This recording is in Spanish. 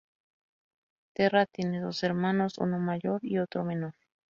Terra tiene dos hermanos, uno mayor y otro menor.